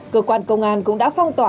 cơ quan công an cũng đã phong tỏa